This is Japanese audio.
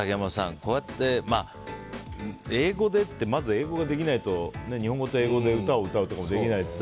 こうやって、英語でってまず英語ができないと日本語と英語で歌を歌うとかできないしさ。